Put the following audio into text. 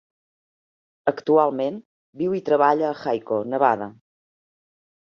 Actualment, viu i treballa a Hiko, Nevada.